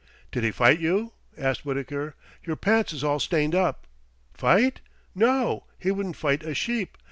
"Did he fight you?" asked Wittaker. "Your pants is all stained up." "Fight? No, he wouldn't fight a sheep.